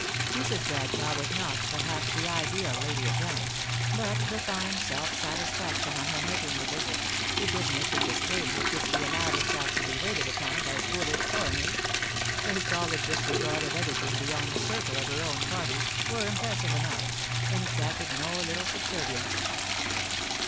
Mrs. Bradshaw was not, perhaps, the ideal lady of rank, but the fine self satisfaction on her matronly visage, the good natured disdain with which she allowed herself to be waited upon by foolish foreigners, her solid disregard of everything beyond the circle of her own party, were impressive enough, and exacted no little subservience.